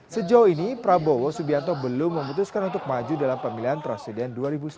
sejauh ini prabowo subianto belum memutuskan untuk maju dalam pemilihan presiden dua ribu sembilan belas